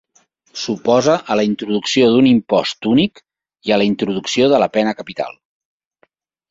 S'oposa a la introducció d'un impost únic i a la introducció de la pena capital.